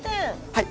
はい。